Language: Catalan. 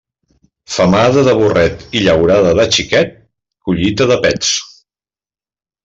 Femada de burret i llaurada de xiquet, collita de pets.